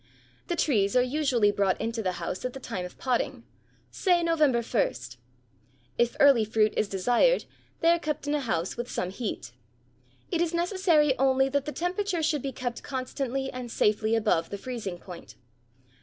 The trees are usually brought into the house at the time of potting, say November 1. If early fruit is desired, they are kept in a house with some heat. It is necessary only that the temperature should be kept constantly and safely above the freezing point.